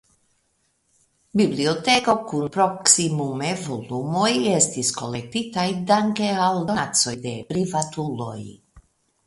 Biblioteko kun proksimume volumoj estis kolektitaj danke al donacoj de privatuloj.